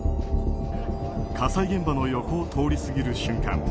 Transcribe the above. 火災現場の横を通り過ぎる瞬間